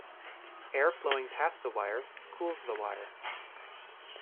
Air flowing past the wire cools the wire.